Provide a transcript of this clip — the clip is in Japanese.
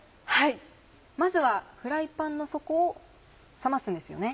まずはフライパンの底を冷ますんですよね。